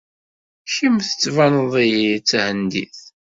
Kemm tettbaneḍ-iyi-d d Tahendit.